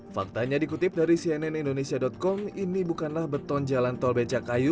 faktanya dikutip dari cnnindonesia com ini bukanlah beton jalan tol becak kayu